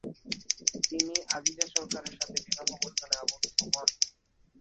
তিনি আজিজা সরকারের সাথে বিবাহ বন্ধনে আবদ্ধ হন।